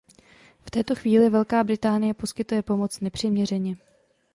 V této chvíli Velká Británie poskytuje pomoc nepřiměřeně.